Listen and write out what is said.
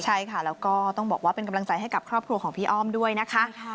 ใช่ค่ะแล้วก็ต้องบอกว่าเป็นกำลังใจให้กับครอบครัวของพี่อ้อมด้วยนะคะ